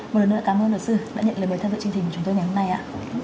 một lần nữa cảm ơn luật sư đã nhận lời tham dự chương trình của chúng tôi ngày hôm nay